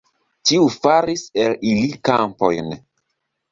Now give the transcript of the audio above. Tiu faris el ili kampojn.